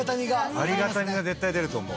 ありがたみが絶対出ると思う。